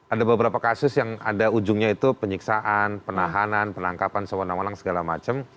ada beberapa kasus yang ada ujungnya itu penyiksaan penahanan penangkapan sewenang welang segala macam